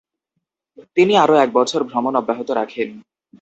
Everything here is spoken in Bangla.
তিনি আরো একবছর ভ্রমণ অব্যাহত রাখেন।